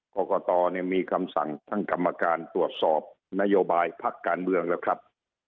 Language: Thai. กรกตมีคำสั่งทั้งกรรมการตรวจสอบนโยบายพักการเมืองแล้วครับ